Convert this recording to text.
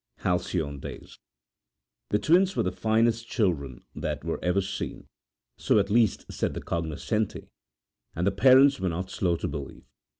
Halcyon Days[edit] The twins were the finest children that ever were seen so at least said the cognoscenti, and the parents were not slow to believe.